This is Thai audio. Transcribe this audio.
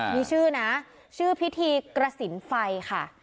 มีชื่อนะชื่อพิธีกระสินไฟค่ะ